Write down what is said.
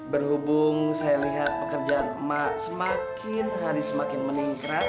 berhubung saya lihat pekerjaan emak semakin hari semakin meningkat